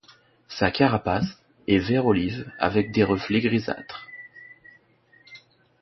Sa carapace est vert olive avec des reflets grisâtres.